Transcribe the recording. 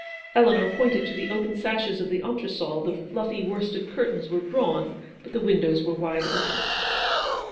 Eleanor pointed to the open sashes of the entresol : the fluffy worsted curtains were drawn, but the windows were wide open.